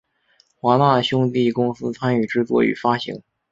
华纳兄弟公司参与制作与发行。